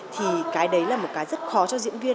thì cái đấy là một cái rất khó cho diễn viên